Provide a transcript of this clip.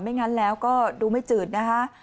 งั้นแล้วก็ดูไม่จืดนะคะ